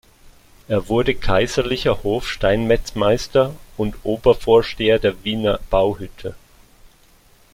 Er wurde kaiserlicher Hof-Steinmetzmeister und Obervorsteher der Wiener Bauhütte.